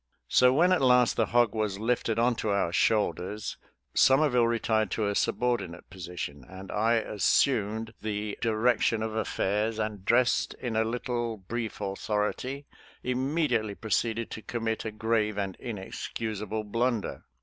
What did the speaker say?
So when at last the hog was lifted on to our shoulders, Somerville retired to a subordinate position, and I assumed the direc FORAGING FOR HOG MEAT 153 tion of affairs, and " dressed in a little brief authority," immediately proceeded to commit a grave and inexcusable blunder.